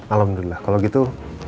alhamdulillah kalau gitu